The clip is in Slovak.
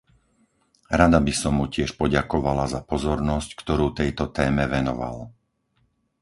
Rada by som mu tiež poďakovala za pozornosť, ktorú tejto téme venoval.